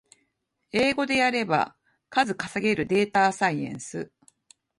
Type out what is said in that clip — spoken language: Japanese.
英語でやれば数稼げるデータサイエンス